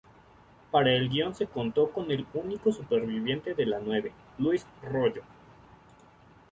Para el guion se contó con el único superviviente de La Nueve, Luis Royo.